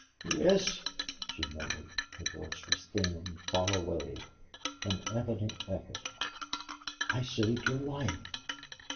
"Yes," she murmured. Her voice was thin, far away, an evident effort. "I saved your life."